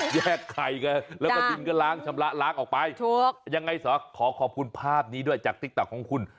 แยกไข่ไงแล้วก็ดินก็ล้างชำระล้างออกไปถูกยังไงขอขอบคุณภาพนี้ด้วยจากติ๊กต๊อกของคุณ